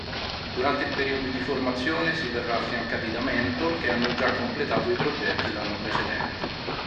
Durante il periodo di formazione si verrà affiancati da Mentor che hanno già completato i progetti l’anno precedente.